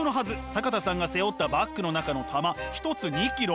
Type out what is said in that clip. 坂田さんが背負ったバッグの中の玉１つ２ｋｇ。